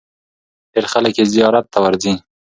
ډېر خلک یې زیارت ته ورځي.